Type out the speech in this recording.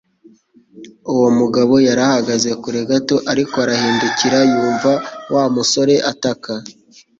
Uwo mugabo yari ahagaze kure gato, ariko arahindukira yumva Wa musore ataka